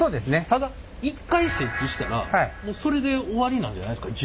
ただ一回設置したらもうそれで終わりなんじゃないですか？